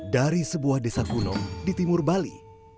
dari sebuah desa gunung di timur bali